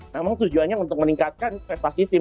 memang tujuannya untuk meningkatkan prestasi tim